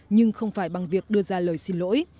nhưng không phải bằng việc đưa ra lời xin lỗi